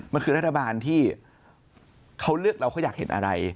มันคือรัฐบาลที่เขาเลือกเราเขาอยากเห็นอะไร